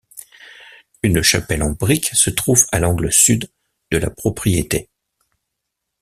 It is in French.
Une chapelle en brique se trouve à l'angle sud de la propriété.